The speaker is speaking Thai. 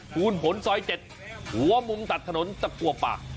ฟูลผลสอยเจ็ดหัวมุมตัดถนนตะกว่าปาก